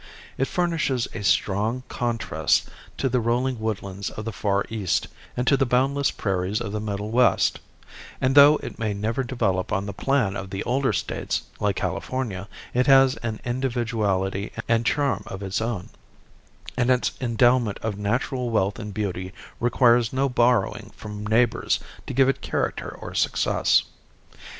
It furnishes a strong contrast to the rolling woodlands of the far east, and to the boundless prairies of the middle west; and, though it may never develop on the plan of the older states, like California, it has an individuality and charm of its own; and its endowment of natural wealth and beauty requires no borrowing from neighbors to give it character or success.